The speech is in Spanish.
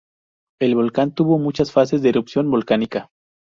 El volcán tuvo muchas fases de erupción volcánica.